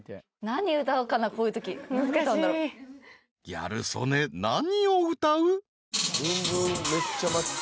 ［ギャル曽根何を歌う？］